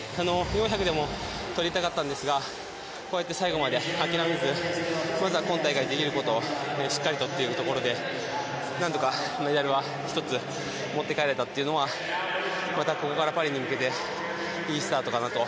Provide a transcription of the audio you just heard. ４００でもとりたかったんですが最後まで諦めずまずは今大会出来ることをしっかりとというところで何とかメダルを１つ持って帰れたというのはまた、ここからパリに向けていいスタートかなと。